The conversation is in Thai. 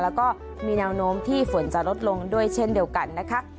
แล้วก็มีแนวโน้มที่ฝนจะลดลงด้วยเช่นเดียวกันนะคะ